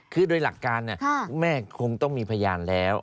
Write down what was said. คือโดยหลักการแม่คงต้องมีพยานแล้ว